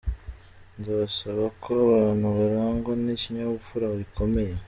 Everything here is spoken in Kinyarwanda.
Ndabasaba ko abantu barangwa n’ikinyabupfura gikomeye.